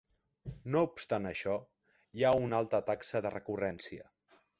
No obstant això, hi ha una alta taxa de recurrència.